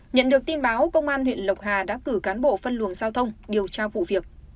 nhận được tin báo công an huyện lộc hà đã cử cán bộ phân luồng giao thông điều tra vụ việc